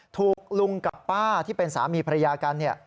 ถูกลุงกับป้าที่เป็นสามีภรรยากัน